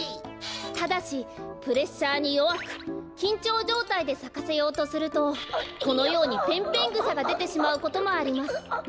ただしプレッシャーによわくきんちょうじょうたいでさかせようとするとこのようにペンペングサがでてしまうこともあります。